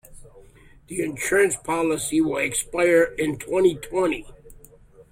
The insurance policy will expire in twenty-twenty.